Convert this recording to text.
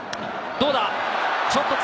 どうだ？